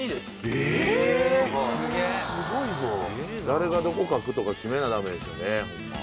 誰がどこ描くとか決めな駄目ですよねホンマ。